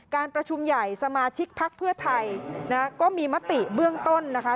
การประชุมใหญ่สมาชิกพักเพื่อไทยนะคะก็มีมติเบื้องต้นนะคะ